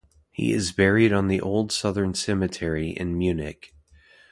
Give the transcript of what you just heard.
He is buried on the Old Southern Cemetery in Munich.